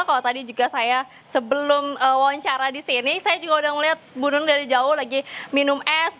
kalau tadi juga saya sebelum wawancara di sini saya juga udah ngeliat bu nung dari jauh lagi minum es